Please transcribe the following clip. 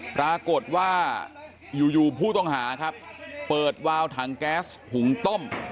ปรากฏว่าอยู่ผู้ต้องหาครับเปิดวาวถังแก๊สหุงต้ม